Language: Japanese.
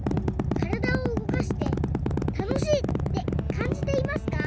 からだをうごかしてたのしいってかんじていますか？